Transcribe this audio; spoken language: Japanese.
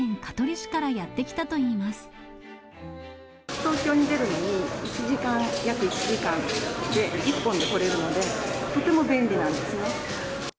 ーとうきょうにでるのにから、東京に出るのに、１時間、約１時間で１本で来れるので、とても便利なんですね。